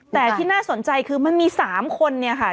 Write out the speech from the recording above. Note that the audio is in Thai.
แต่ที่น่าสนใจคือมันมี๓คนเนี่ยค่ะ